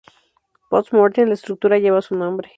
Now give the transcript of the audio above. Post mortem, la estructura lleva su nombre.